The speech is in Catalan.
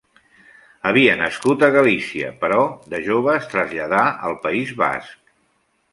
Havia nascut a Galícia, però de jove es traslladà al País Basc.